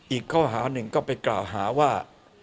อีกข้อหาหนึ่งก็ไปกล่าวหาว่า